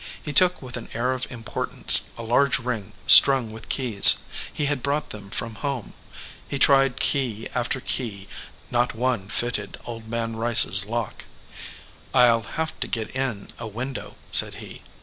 He took, with an air of importance, a large ring strung with keys. He had brought them from home. He tried key after key; not one fitted Old Man Rice s lock. "I ll have to get in a window," said he.